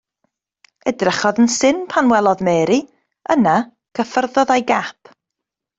Edrychodd yn syn pan welodd Mary, yna cyffyrddodd â'i gap.